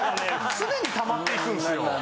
常に溜まっていくんですよ。